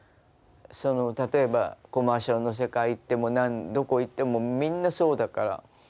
例えばコマーシャルの世界行ってもどこ行ってもみんなそうだから。